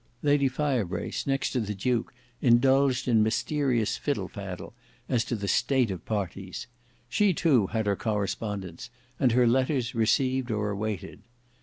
Lady Firebrace next to the duke indulged in mysterious fiddle fadde as to the state of parties. She too had her correspondents, and her letters received or awaited.